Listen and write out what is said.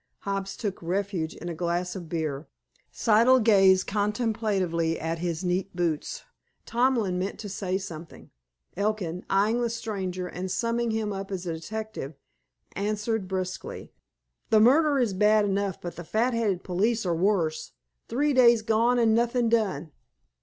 Hobbs took refuge in a glass of beer. Siddle gazed contemplatively at his neat boots. Tomlin meant to say something; Elkin, eying the stranger, and summing him up as a detective, answered brusquely: "The murder is bad enough, but the fat headed police are worse. Three days gone, and nothing done!"